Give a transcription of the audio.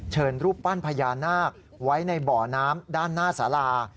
รูปปั้นพญานาคไว้ในบ่อน้ำด้านหน้าสารา